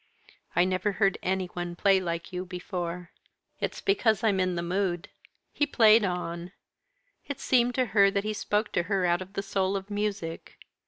"I never heard any one play like you before." "It's because I'm in the mood." He played on. It seemed to her that he spoke to her out of the soul of music.